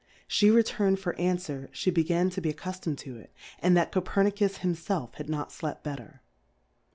She re turnM for Anfwer, (he began to beac cuftom'd to it, and x\\2LtCoj'er7iicus him felf had not flept better.